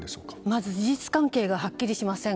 まず事実関係がはっきりしません。